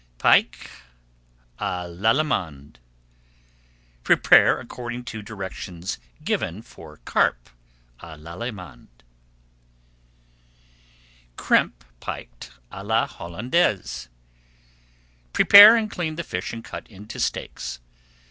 PIKE À L'ALLEMANDE Prepare according to directions given for Carp à l'Allemande. CRIMPED PIKE À LA HOLLANDAISE Prepare and clean the fish and cut into steaks.